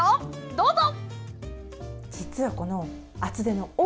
どうぞ！